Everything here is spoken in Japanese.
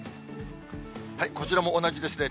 こちらも同じですね。